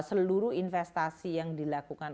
seluruh investasi yang dilakukan